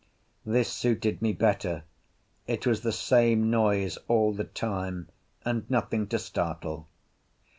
This suited me better; it was the same noise all the time, and nothing to startle.